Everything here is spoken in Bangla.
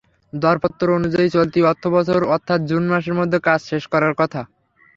দরপত্র অনুযায়ী চলতি অর্থবছর অর্থাৎ জুন মাসের মধ্যে কাজ শেষ করার কথা।